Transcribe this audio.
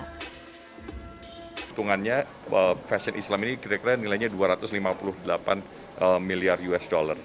keuntungannya fashion islam ini kira kira nilainya dua ratus lima puluh delapan miliar usd